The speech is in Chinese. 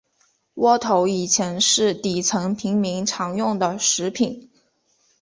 窝头以前是底层平民常用的食品。